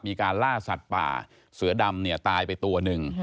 มีการล่าสัตว์ป่าเสือดำเนี่ยตายไปตัวหนึ่ง